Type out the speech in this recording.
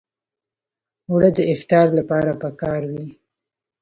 اوړه د افطار لپاره پکار وي